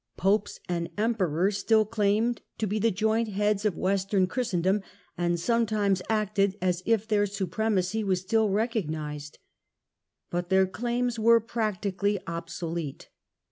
Popes and Emperors still claimed to be the joint heads of Western Christendom, and sometimes acted as if their supremacy were still recognised. But their claims were practically obsolete.